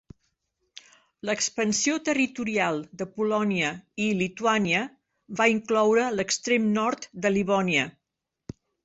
L'expansió territorial de Polònia i Lituània va incloure l'extrem nord de Livònia.